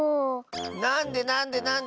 なんでなんでなんで！